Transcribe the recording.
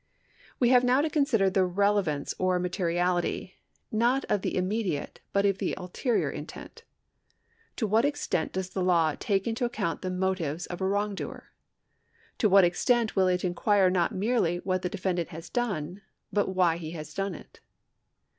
We have now to consider the relevance or materiality, not of the immediate, but of the ulterior intent. To what extent does the law take into account the motives of a wrongdoer ? To what extent will it inquire not merely what the defendant has done, but why he has done it